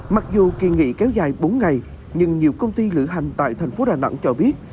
mặc dù kỳ nghỉ kéo dài bốn ngày nhưng nhiều công ty lửa hành tại thành phố đà nẵng cho biết